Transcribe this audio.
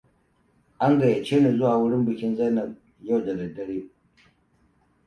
An gayyace ni zuwa wurin bikin Zainab yau da dare.